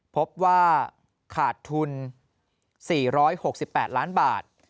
พบว่าขาดทุน๔๖๘ล้านบาท